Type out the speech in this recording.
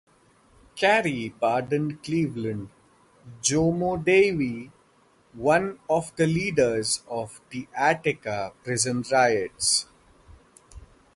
Carey pardoned Cleveland "Jomo" Davis, one of the leaders of the Attica prison riots.